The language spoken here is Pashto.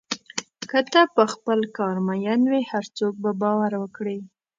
که ته په خپل کار مین وې، هر څوک به باور وکړي.